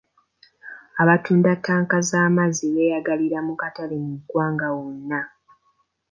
Abatunda ttanka z'amazzi beeyagalira mu katale mu ggwanga wonna.